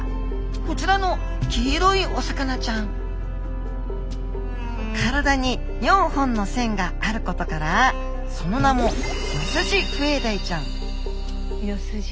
こちらの黄色いお魚ちゃん体に４本の線があることからその名もヨスジフエダイちゃんヨスジ。